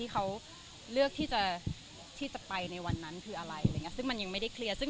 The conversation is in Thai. คุ้มที่จะเป็นคนมาร์น